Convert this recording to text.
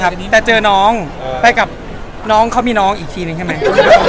พี่เห็นไอ้เทรดเลิศเราทำไมวะไม่ลืมแล้ว